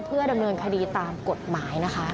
เพื่อดำเนินคดีตามกฎหมายนะคะ